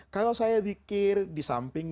kalau saya zikir disamping